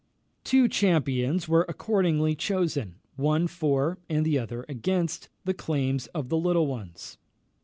Two champions were accordingly chosen; one for, and the other against, the claims of the little ones.